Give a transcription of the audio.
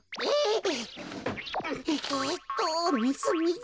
えっとみずみず。